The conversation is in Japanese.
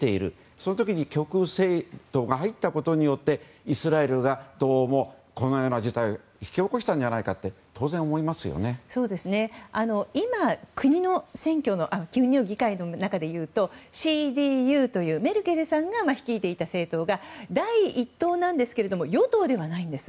その時に極右政党が入ったことによってイスラエルが、このような事態を引き起こしたんじゃないかと今、議会の中でいうとＣＤＵというメルケルさんが率いていてた政党が第１党なんですけども与党ではないんです。